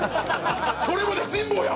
それまで辛抱や！